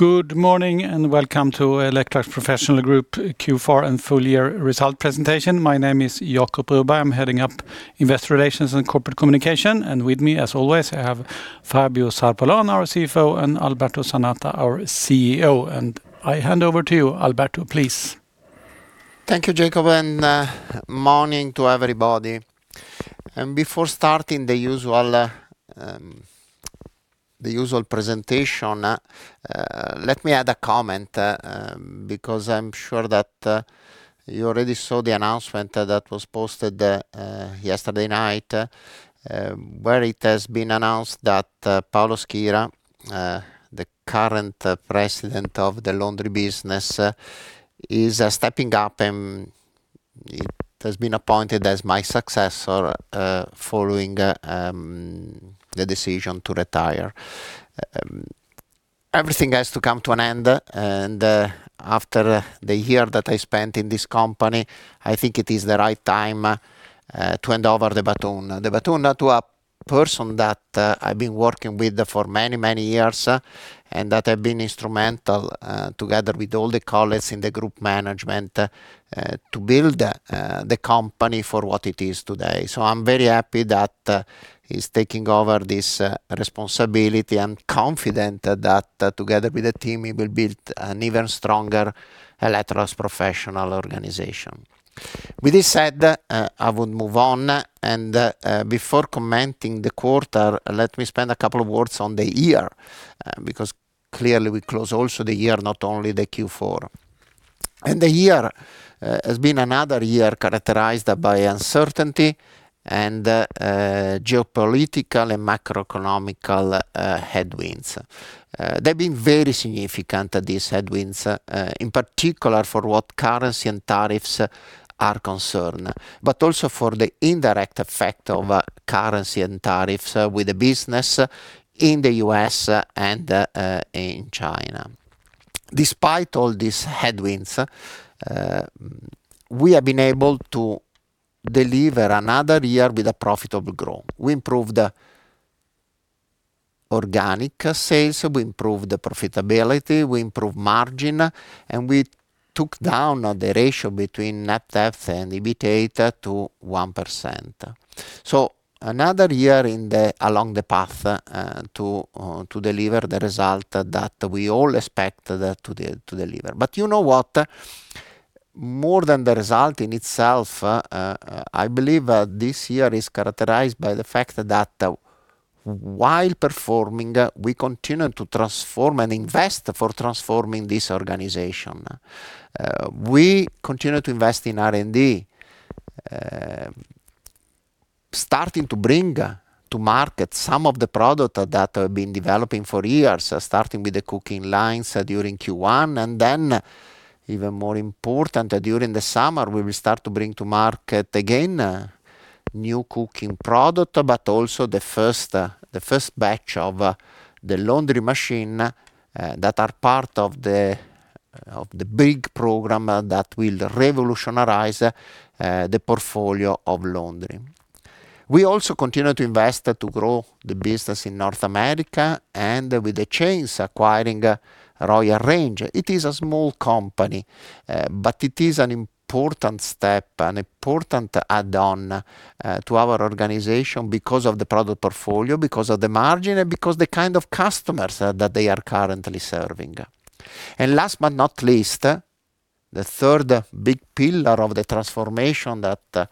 Good morning, and welcome to Electrolux Professional Group Q4 and full year result presentation. My name is Jacob Broberg. I'm heading up Investor Relations and Corporate Communications, and with me, as always, I have Fabio Zarpellon, our CFO, and Alberto Zanata, our CEO. I hand over to you, Alberto, please. Thank you, Jacob, and morning to everybody. Before starting the usual presentation, let me add a comment because I'm sure that you already saw the announcement that was posted yesterday night, where it has been announced that Paolo Schira, the current President of the laundry business, is stepping up, and he has been appointed as my successor, following the decision to retire. Everything has to come to an end, and after the year that I spent in this company, I think it is the right time to hand over the baton. The baton to a person that I've been working with for many, many years, and that have been instrumental, together with all the colleagues in the group management, to build the company for what it is today. So I'm very happy that he's taking over this responsibility and confident that together with the team, he will build an even stronger Electrolux Professional organization. With this said, I would move on, and before commenting the quarter, let me spend a couple of words on the year, because clearly, we close also the year, not only the Q4. The year has been another year characterized by uncertainty and geopolitical and macroeconomic headwinds. They've been very significant, these headwinds, in particular, for what currency and tariffs are concerned, but also for the indirect effect of currency and tariffs with the business in the U.S. and in China. Despite all these headwinds, we have been able to deliver another year with a profitable growth. We improved the organic sales, we improved the profitability, we improved margin, and we took down on the ratio between net debt and EBITDA to 1%. So another year along the path to deliver the result that we all expect to deliver. But you know what? More than the result in itself, I believe this year is characterized by the fact that, while performing, we continue to transform and invest for transforming this organization. We continue to invest in R&D, starting to bring to market some of the product that we've been developing for years, starting with the cooking lines, during Q1, and then, even more important, during the summer, we will start to bring to market again, new cooking product, but also the first batch of the laundry machine that are part of the big program that will revolutionize the portfolio of laundry. We also continue to invest to grow the business in North America and with the acquisition of Royal Range. It is a small company, but it is an important step, an important add-on to our organization because of the product portfolio, because of the margin, and because the kind of customers that they are currently serving. Last but not least, the third big pillar of the transformation that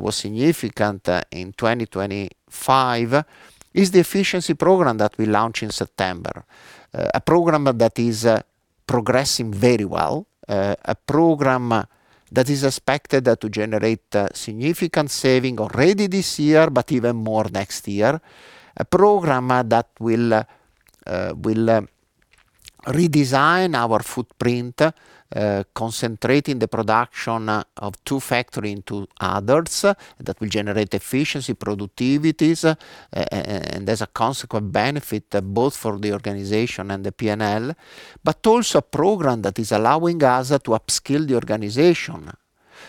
was significant in 2025 is the efficiency program that we launched in September. A program that is progressing very well, a program that is expected to generate significant saving already this year, but even more next year. A program that will redesign our footprint, concentrating the production of two factories into others, that will generate efficiency, productivities, and as a consequent benefit both for the organization and the P&L. But also a program that is allowing us to upskill the organization,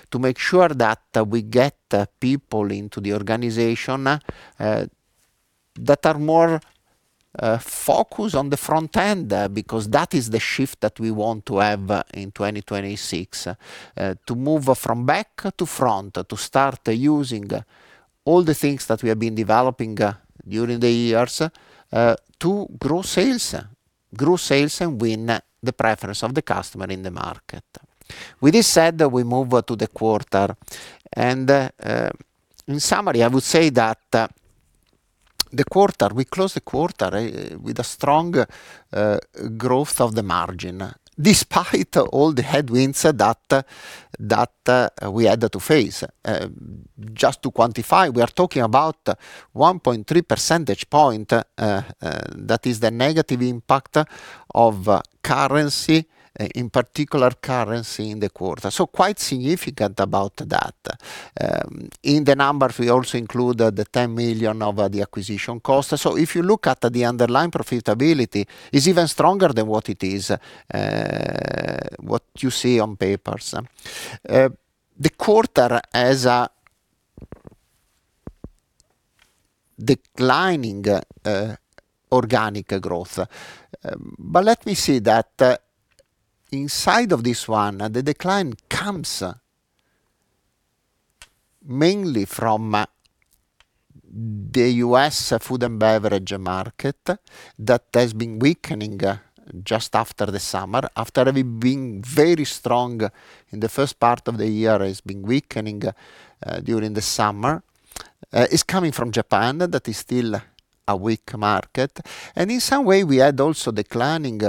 to make sure that we get people into the organization that are more focused on the front end, because that is the shift that we want to have in 2026. To move from back to front, to start using all the things that we have been developing during the years to grow sales. Grow sales and win the preference of the customer in the market. With this said, we move to the quarter, and in summary, I would say that the quarter... We closed the quarter with a strong growth of the margin, despite all the headwinds that we had to face. Just to quantify, we are talking about 1.3 percentage point, that is the negative impact of currency, in particular, currency in the quarter. So quite significant about that. In the numbers, we also include the 10 million of the acquisition cost. So if you look at the underlying profitability, it's even stronger than what it is, what you see on paper. The quarter as a declining organic growth. But let me say that, inside of this one, the decline comes mainly from the U.S. Food & Beverage market, that has been weakening just after the summer. After having been very strong in the first part of the year, it's been weakening during the summer. It's coming from Japan, that is still a weak market, and in some way we had also declining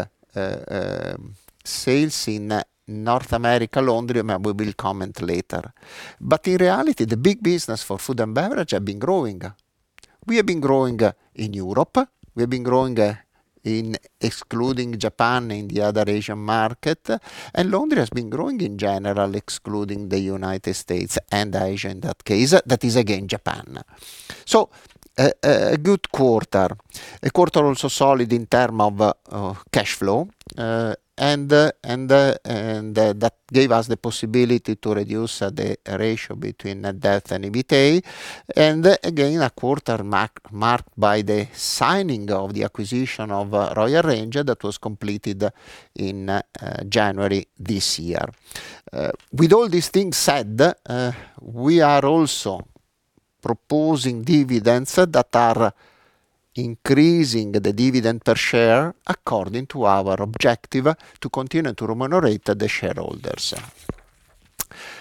sales in North America Laundry, and we will comment later. But in reality, the big business for Food & Beverage have been growing. We have been growing in Europe, we've been growing in excluding Japan and the other Asian market, and Laundry has been growing in general, excluding the United States and Asia, in that case, that is again, Japan. So, a good quarter. A quarter also solid in term of cashflow, and that gave us the possibility to reduce the ratio between debt and EBITDA. And, again, a quarter marked by the signing of the acquisition of Royal Range, that was completed in January this year. With all these things said, we are also proposing dividends that are increasing the dividend per share, according to our objective, to continue to remunerate the shareholders.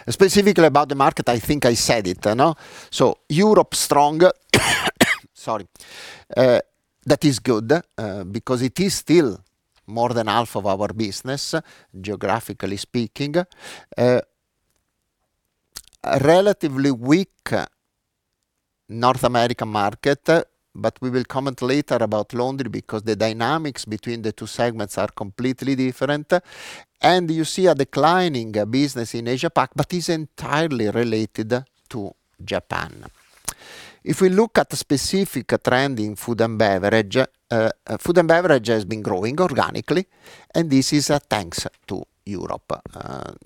Specifically about the market, I think I said it, you know. So Europe strong. Sorry. That is good, because it is still more than half of our business, geographically speaking. A relatively weak North America market, but we will comment later about Laundry, because the dynamics between the two segments are completely different. And you see a declining business in Asia-Pac, but is entirely related to Japan. If we look at the specific trend in Food & Beverage, Food & Beverage has been growing organically, and this is, thanks to Europe.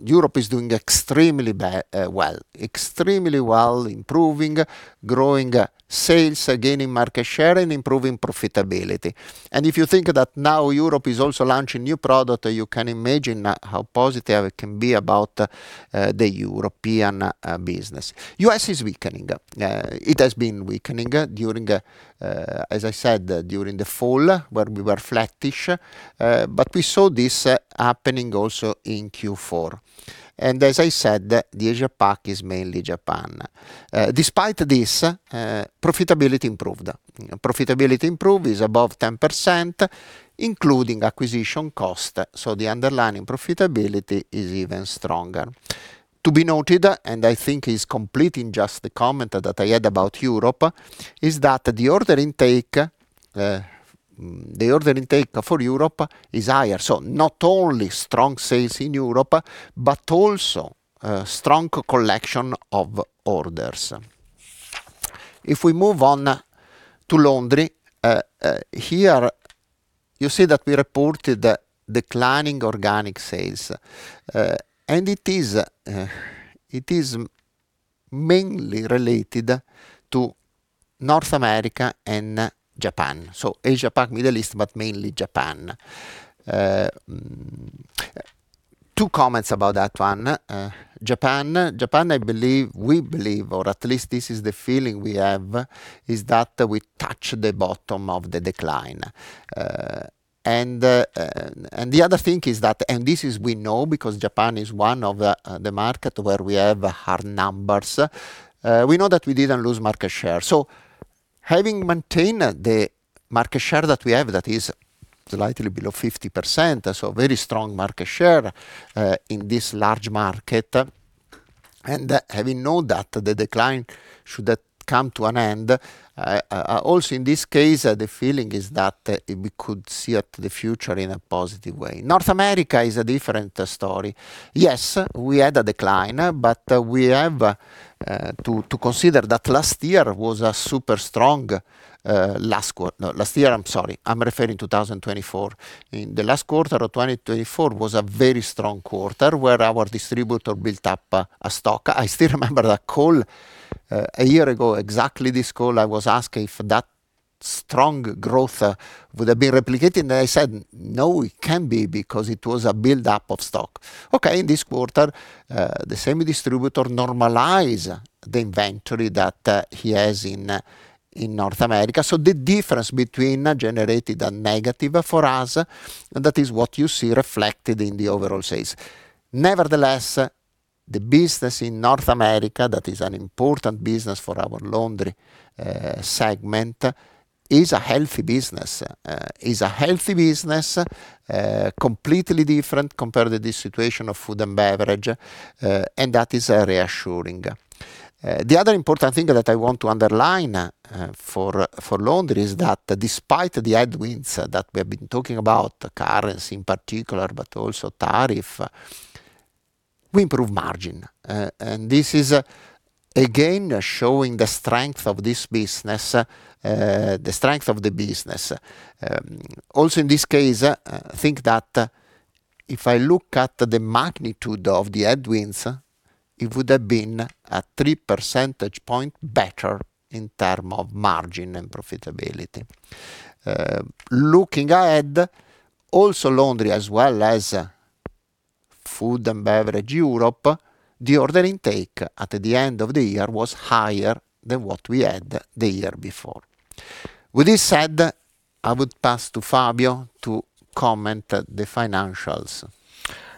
Europe is doing extremely bad, well, extremely well, improving, growing sales, gaining market share, and improving profitability. And if you think that now Europe is also launching new product, you can imagine, how positive it can be about, the European, business. U.S. is weakening. It has been weakening, during, as I said, during the fall, where we were flattish, but we saw this happening also in Q4. And as I said, the Asia-Pac is mainly Japan. Despite this, profitability improved. Profitability improved is above 10%, including acquisition cost, so the underlying profitability is even stronger. To be noted, and I think it's complete in just the comment that I had about Europe, is that the order intake, the order intake for Europe is higher. So not only strong sales in Europe, but also, strong collection of orders. If we move on to Laundry, here, you see that we reported declining organic sales, and it is mainly related to North America and Japan, so Asia-Pac, Middle East, but mainly Japan. Two comments about that one. Japan. Japan, I believe, we believe, or at least this is the feeling we have, is that we touched the bottom of the decline. The other thing is that, and this is we know, because Japan is one of the markets where we have hard numbers, we know that we didn't lose market share. So having maintained the market share that we have, that is slightly below 50%, so very strong market share, in this large market, and having known that the decline should come to an end, also, in this case, the feeling is that, we could see at the future in a positive way. North America is a different story. Yes, we had a decline, but, we have, to consider that last year was a super strong, last quarter. Last year, I'm sorry, I'm referring to 2024. In the last quarter of 2024 was a very strong quarter, where our distributor built up a stock. I still remember that call, a year ago, exactly this call, I was asking if that strong growth would have been replicated, and I said, "No, it can't be, because it was a buildup of stock." Okay, in this quarter, the same distributor normalize the inventory that he has in, in North America. So the difference between generated and negative for us, that is what you see reflected in the overall sales. Nevertheless, the business in North America, that is an important business for our Laundry segment, is a healthy business, is a healthy business, completely different compared to the situation of Food & Beverage, and that is reassuring. The other important thing that I want to underline for laundry is that despite the headwinds that we have been talking about, currency in particular, but also tariff, we improve margin. And this is, again, showing the strength of this business, the strength of the business. Also, in this case, I think. If I look at the magnitude of the headwinds, it would have been a three percentage point better in term of margin and profitability. Looking ahead, also Laundry, as well as Food & Beverage Europe, the order intake at the end of the year was higher than what we had the year before. With this said, I would pass to Fabio to comment the financials.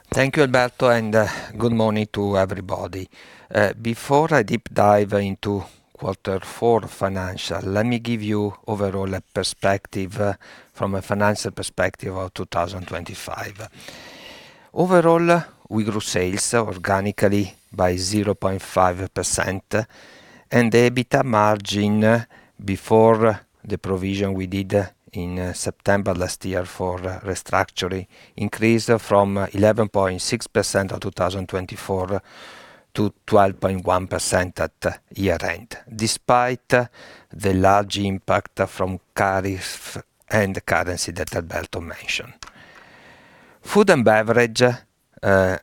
Thank you, Alberto, and good morning to everybody. Before I deep dive into quarter four financial, let me give you overall a perspective, from a financial perspective of 2025. Overall, we grew sales organically by 0.5%,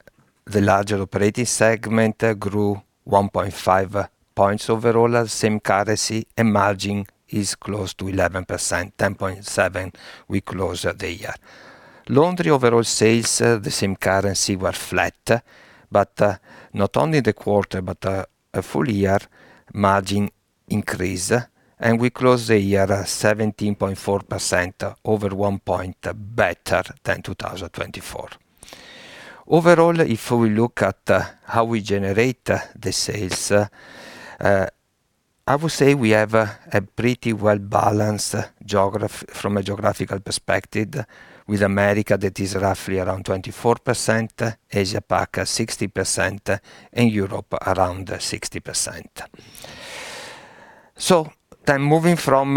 and the EBITA margin, before the provision we did in September last year for restructuring, increased from 11.6% of 2024 to 12.1% at year-end, despite the large impact from tariff and currency that Alberto mentioned. Food & Beverage, the larger operating segment, grew 1.5 points overall at same currency, and margin is close to 11%, 10.7%, we close the year. Laundry overall sales in the same currency were flat, but not only the quarter, but a full year margin increase, and we closed the year at 17.4%, over 1 point better than 2024. Overall, if we look at how we generate the sales, I would say we have a pretty well-balanced geographical perspective, with America that is roughly around 24%, Asia-Pac 60%, and Europe around 60%. So then moving from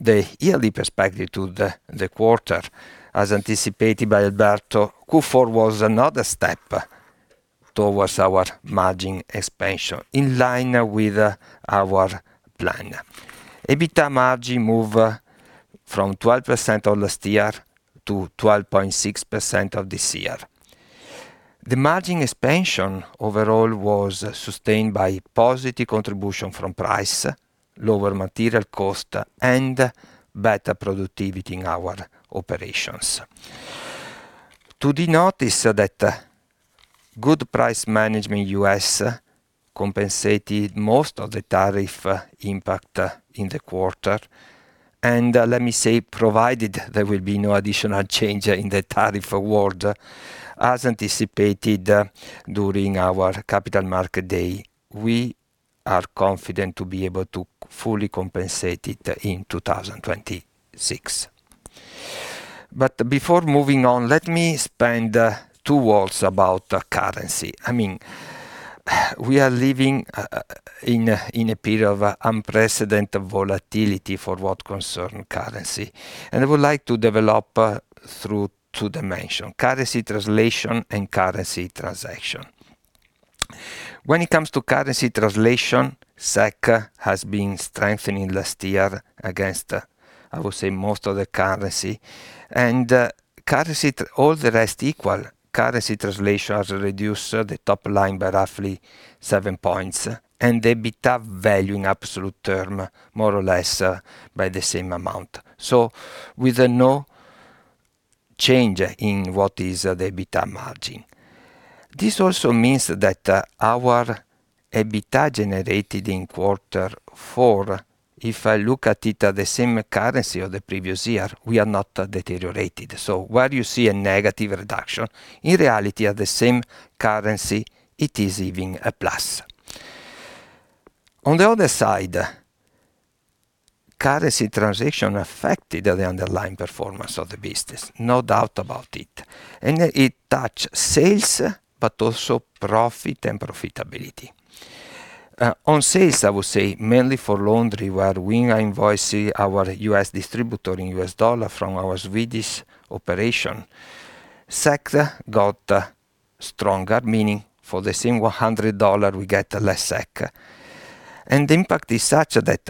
the yearly perspective to the quarter, as anticipated by Alberto, Q4 was another step towards our margin expansion, in line with our plan. EBITA margin move from 12% of last year to 12.6% of this year. The margin expansion overall was sustained by positive contribution from price, lower material cost, and better productivity in our operations. To note that, good price management in the U.S. compensated most of the tariff impact in the quarter, and, let me say, provided there will be no additional change in the tariff world, as anticipated during our Capital Markets Day, we are confident to be able to fully compensate it in 2026. But before moving on, let me spend two words about the currency. I mean, we are living in a period of unprecedented volatility for what concerns currency, and I would like to develop through two dimensions: currency translation and currency transaction. When it comes to currency translation, SEK has been strengthening last year against, I would say, most of the currencies. Currency, all the rest equal, currency translation has reduced the top line by roughly 7 points, and the EBITA value in absolute term, more or less, by the same amount. So with no change in what is the EBITA margin. This also means that, our EBITA generated in quarter four, if I look at it at the same currency of the previous year, we are not deteriorated. So where you see a negative reduction, in reality, at the same currency, it is even a plus. On the other side, currency transaction affected the underlying performance of the business, no doubt about it, and it touch sales, but also profit and profitability. On sales, I would say mainly for Laundry, where we are invoicing our U.S. distributor in U.S. dollar from our Swedish operation, SEK got stronger, meaning for the same $100, we get less SEK. And the impact is such that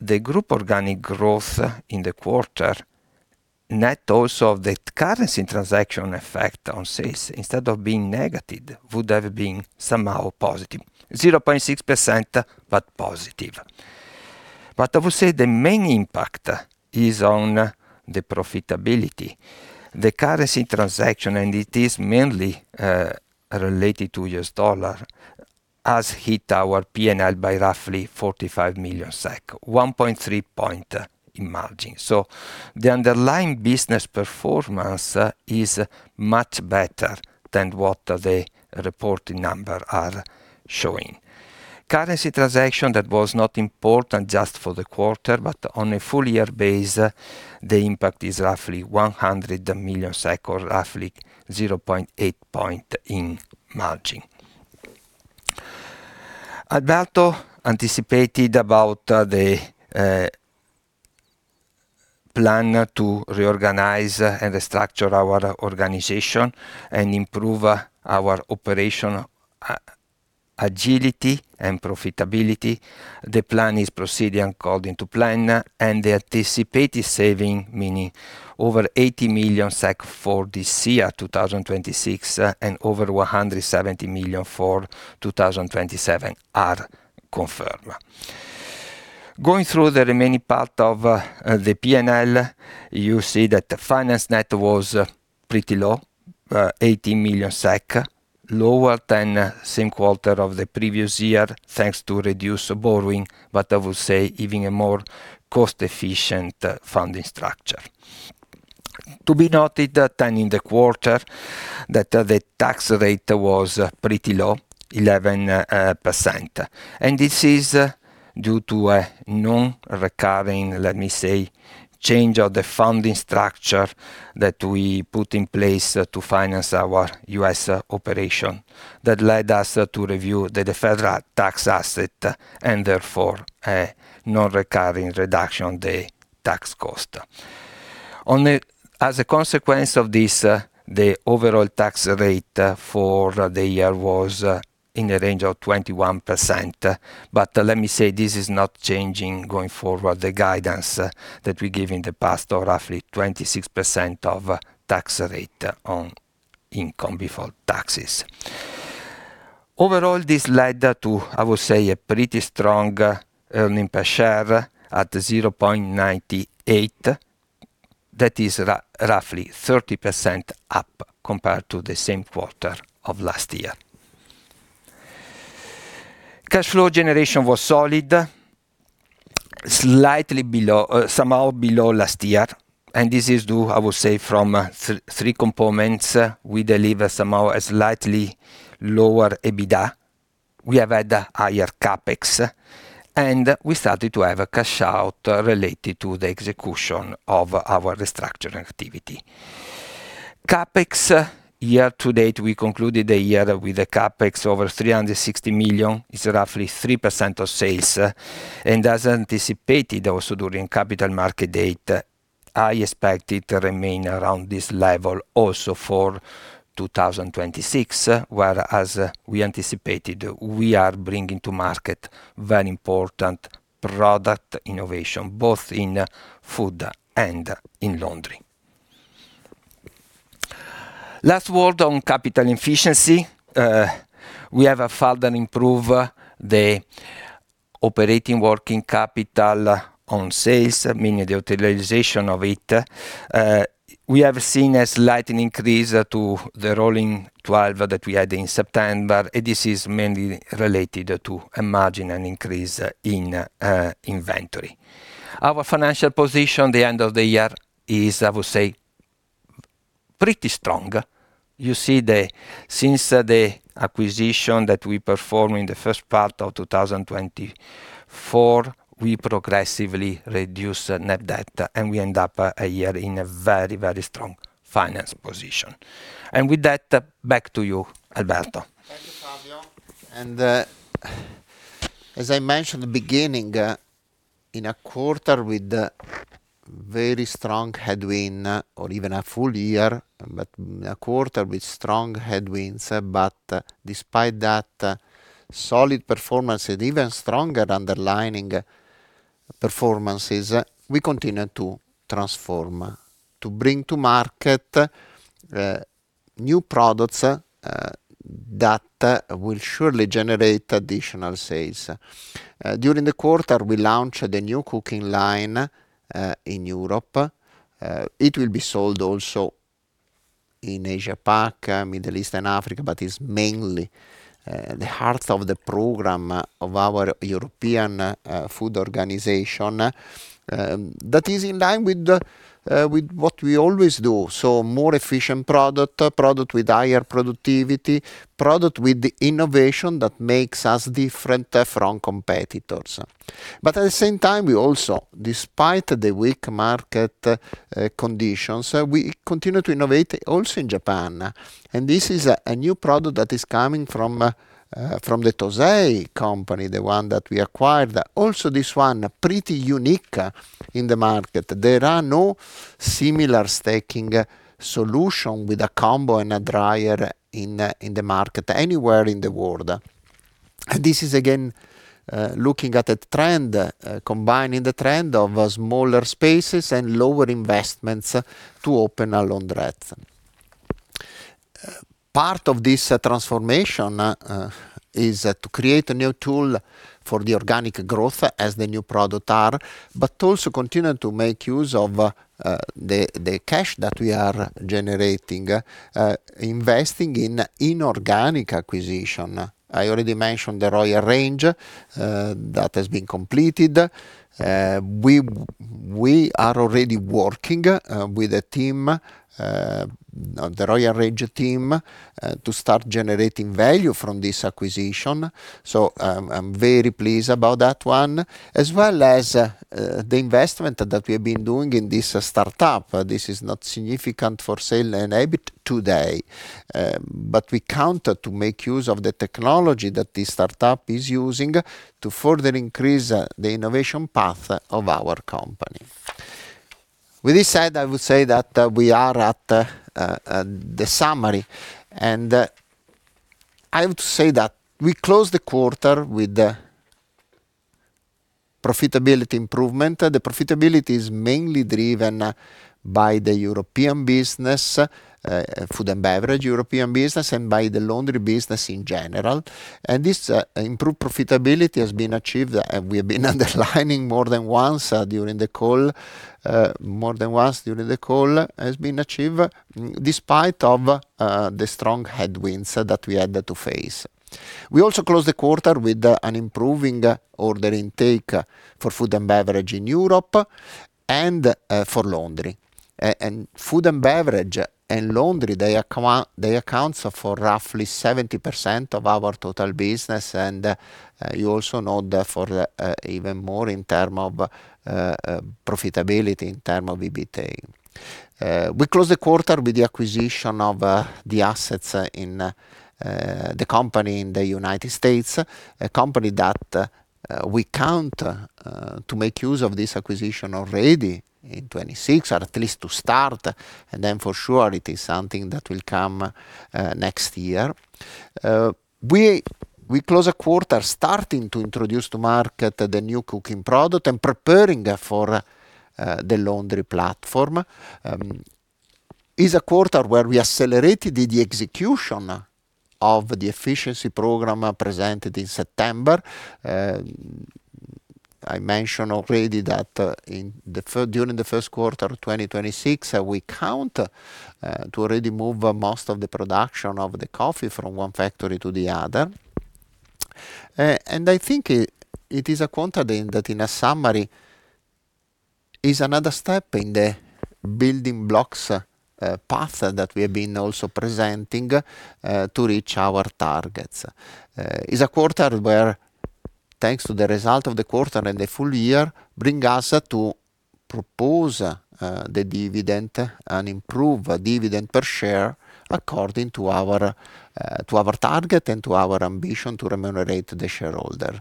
the group organic growth in the quarter, net also of the currency transaction effect on sales, instead of being negative, would have been somehow positive. 0.6%, but positive. But I would say the main impact is on the profitability. The currency transaction, and it is mainly related to U.S. dollar, has hit our P&L by roughly 45 million SEK, 1.3 points in margin. So the underlying business performance is much better than what the reporting number are showing. Currency transactions, that was not important just for the quarter, but on a full-year basis, the impact is roughly 100 million, or roughly 0.8 points in margin. Alberto anticipated about the plan to reorganize and restructure our organization and improve our operational agility and profitability. The plan is proceeding according to plan, and the anticipated saving, meaning over 80 million SEK for this year, 2026, and over 170 million for 2027, are confirmed. Going through the remaining part of the P&L, you see that the finance net was pretty low, 80 million SEK lower than same quarter of the previous year, thanks to reduced borrowing, but I will say giving a more cost-efficient funding structure. To be noted that in the quarter, that the tax rate was pretty low, 11%. This is due to a non-recurring, let me say, change of the funding structure that we put in place to finance our U.S. operation, that led us to review the deferred tax asset, and therefore, a non-recurring reduction on the tax cost. As a consequence of this, the overall tax rate for the year was in the range of 21%. But let me say, this is not changing going forward, the guidance that we gave in the past, or roughly 26% of tax rate on income before taxes. Overall, this led to, I would say, a pretty strong earnings per share at 0.98. That is roughly 30% up compared to the same quarter of last year. Cash flow generation was solid, slightly below, somehow below last year, and this is due, I would say, from three components. We deliver somehow a slightly lower EBITDA. We have had a higher CapEx, and we started to have a cash out related to the execution of our restructuring activity. CapEx, year to date, we concluded the year with a CapEx over 360 million. It's roughly 3% of sales, and as anticipated, also during capital markets day, I expect it to remain around this level also for 2026, where, as we anticipated, we are bringing to market very important product innovation, both in food and in laundry. Last word on capital efficiency. We have further improved the operating working capital on sales, meaning the utilization of it. We have seen a slight increase to the rolling twelve that we had in September, and this is mainly related to a margin, an increase in inventory. Our financial position at the end of the year is, I would say, pretty strong. You see the... Since the acquisition that we performed in the first part of 2024, we progressively reduced net debt, and we end up a year in a very, very strong finance position. With that, back to you, Alberto. Thank you, Fabio. As I mentioned at the beginning, in a quarter with a very strong headwind, or even a full year, but a quarter with strong headwinds, but despite that, solid performance and even stronger underlying performances, we continue to transform, to bring to market, new products, that, will surely generate additional sales. During the quarter, we launched the new cooking line, in Europe. It will be sold also in Asia-Pac, Middle East and Africa, but is mainly, the heart of the program of our European, food organization. That is in line with the, with what we always do, so more efficient product, a product with higher productivity, product with the innovation that makes us different from competitors. But at the same time, we also, despite the weak market conditions, we continue to innovate also in Japan. And this is a new product that is coming from the Tosei company, the one that we acquired. Also, this one, pretty unique in the market. There are no similar stacking solution with a combo and a dryer in the market, anywhere in the world. And this is, again, looking at a trend, combining the trend of smaller spaces and lower investments to open a laundrette. Part of this transformation is to create a new tool for the organic growth as the new product are, but also continue to make use of the cash that we are generating, investing in inorganic acquisition. I already mentioned the Royal Range that has been completed. We are already working with a team, the Royal Range team, to start generating value from this acquisition. So I'm very pleased about that one, as well as the investment that we have been doing in this startup. This is not significant for sales and EBIT today, but we count to make use of the technology that this startup is using to further increase the innovation path of our company. With this said, I would say that we are at the summary, and I would say that we closed the quarter with profitability improvement. The profitability is mainly driven by the European business, Food & Beverage European business, and by the laundry business in general. This improved profitability has been achieved, and we have been underlining more than once during the call, more than once during the call, has been achieved, despite of the strong headwinds that we had to face. We also closed the quarter with an improving order intake for Food & Beverage in Europe, and for laundry. And Food & Beverage and Laundry, they account, they accounts for roughly 70% of our total business, and you also know that for even more in term of profitability, in term of EBITA. We closed the quarter with the acquisition of the assets in the company in the United States, a company that we count to make use of this acquisition already in 2026, or at least to start, and then for sure, it is something that will come next year. We close a quarter starting to introduce to market the new cooking product and preparing for the laundry platform. It is a quarter where we accelerated the execution of the efficiency program presented in September. I mentioned already that during the first quarter of 2026 we count to already move most of the production of the coffee from one factory to the other. And I think it is a quarter then that, in a summary, is another step in the building blocks path that we have been also presenting to reach our targets. Is a quarter where, thanks to the result of the quarter and the full year, bring us to propose the dividend, an improved dividend per share, according to our target and to our ambition to remunerate the shareholder.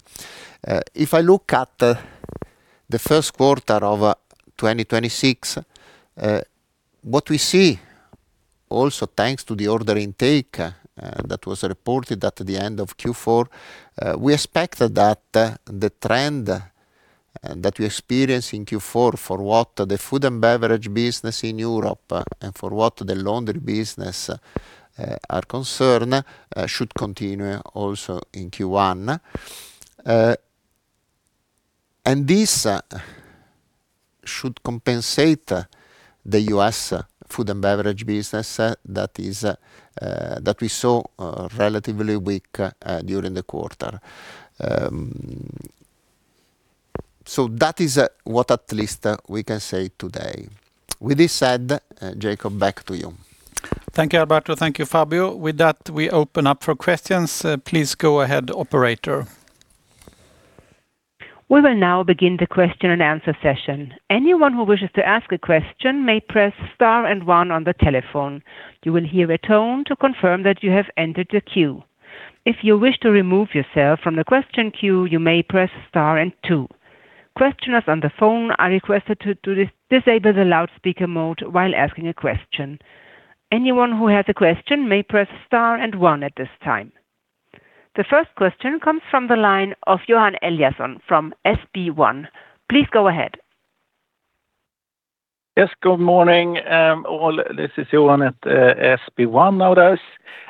If I look at the first quarter of 2026, what we see, also thanks to the order intake that was reported at the end of Q4, we expect that the trend that we experienced in Q4 for what the Food & Beverage business in Europe and for what the laundry business are concerned should continue also in Q1. And this should compensate the U.S. Food & Beverage business, that is, that we saw relatively weak during the quarter. So that is what at least we can say today. With this said, Jacob, back to you. Thank you, Alberto. Thank you, Fabio. With that, we open up for questions. Please go ahead, operator. We will now begin the question and answer session. Anyone who wishes to ask a question may press Star and One on the telephone. You will hear a tone to confirm that you have entered the queue. If you wish to remove yourself from the question queue, you may press Star and Two. Questioners on the phone are requested to disable the loudspeaker mode while asking a question. Anyone who has a question may press Star and One at this time. The first question comes from the line of Johan Eliason from SB1. Please go ahead. Yes, good morning, all. This is Johan at SB1.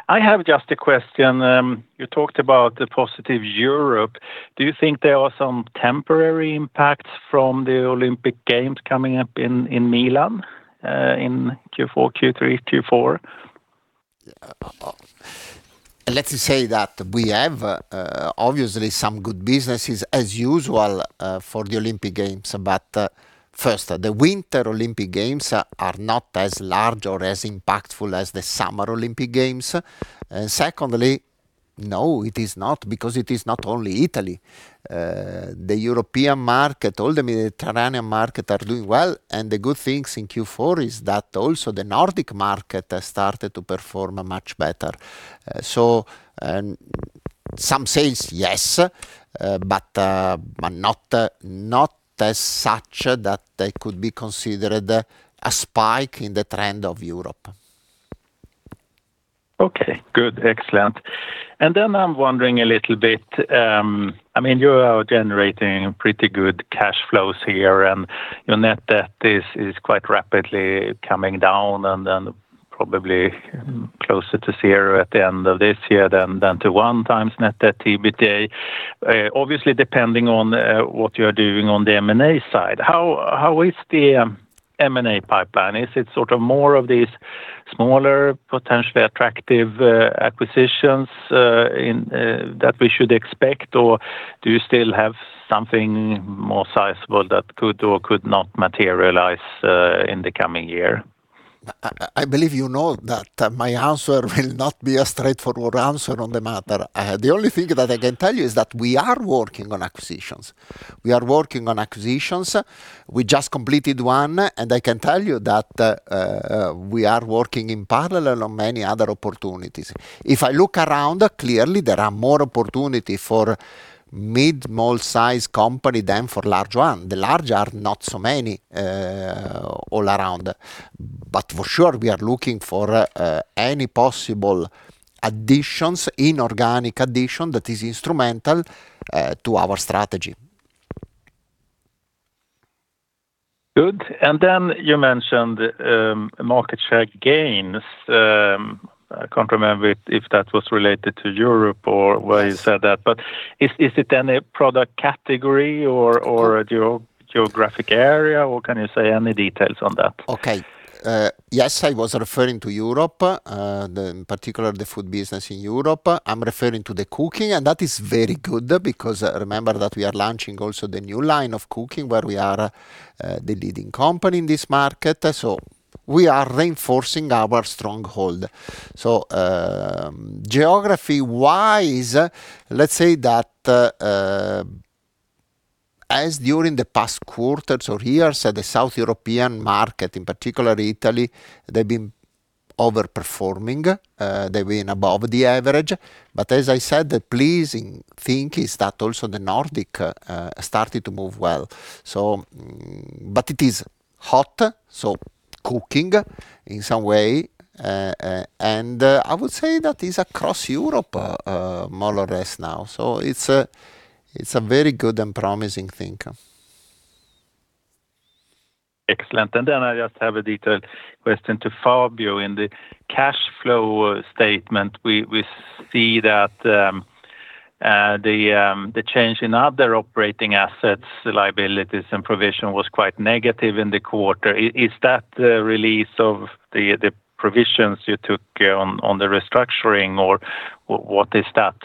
I have just a question. You talked about the positive Europe. Do you think there are some temporary impacts from the Olympic Games coming up in Milan in Q4, Q3, Q4? Let's say that we have obviously some good businesses as usual for the Olympic Games. But first, the Winter Olympic Games are not as large or as impactful as the Summer Olympic Games. And secondly, no, it is not, because it is not only Italy. The European market, all the Mediterranean market, are doing well, and the good things in Q4 is that also the Nordic market has started to perform much better. So some says yes, but but not as such that they could be considered a spike in the trend of Europe. Okay, good. Excellent. And then I'm wondering a little bit, I mean, you are generating pretty good cash flows here, and your net debt is quite rapidly coming down and then probably closer to zero at the end of this year than to one times net debt EBITDA, obviously, depending on what you are doing on the M&A side. How is the M&A pipeline? Is it sort of more of these smaller, potentially attractive acquisitions in that we should expect, or do you still have something more sizable that could or could not materialize in the coming year? I believe you know that my answer will not be a straightforward answer on the matter. The only thing that I can tell you is that we are working on acquisitions. We are working on acquisitions. We just completed one, and I can tell you that we are working in parallel on many other opportunities. If I look around, clearly there are more opportunity for mid, small size company than for large one. The large are not so many, all around. But for sure, we are looking for any possible additions, inorganic addition, that is instrumental to our strategy. Good. And then you mentioned market share gains. I can't remember if that was related to Europe or- Yes Why you said that, but is it any product category or a geographic area? What can you say? Any details on that? Okay. Yes, I was referring to Europe, in particular, the food business in Europe. I'm referring to the cooking, and that is very good, because remember that we are launching also the new line of cooking, where we are the leading company in this market. So we are reinforcing our stronghold. So, geography-wise, let's say that as during the past quarters or years, at the South European market, in particular Italy, they've been overperforming, they've been above the average. But as I said, the pleasing thing is that also the Nordic started to move well. So, but it is hot, so cooking in some way, and I would say that is across Europe, more or less now. So it's a very good and promising thing. Excellent. And then I just have a detailed question to Fabio. In the cash flow statement, we see that the change in other operating assets, liabilities, and provision was quite negative in the quarter. Is that the release of the provisions you took on the restructuring, or what is that?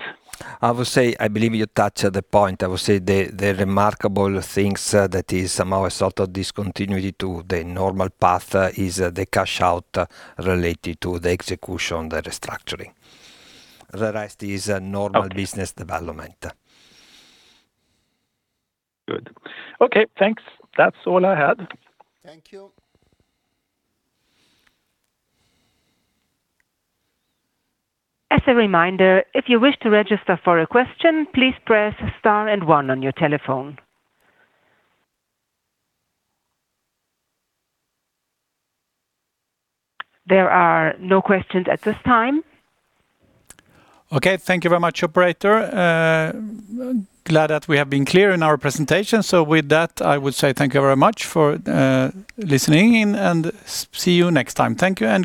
I would say, I believe you touched the point. I would say the remarkable things that is somehow a sort of discontinuity to the normal path is the cash out related to the execution, the restructuring. The rest is a normal- Okay... business development. Good. Okay, thanks. That's all I had. Thank you. As a reminder, if you wish to register for a question, please press star and 1 on your telephone. There are no questions at this time. Okay. Thank you very much, operator. Glad that we have been clear in our presentation. So with that, I would say thank you very much for listening, and see you next time. Thank you, and bye-bye.